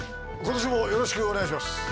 今年もよろしくお願いします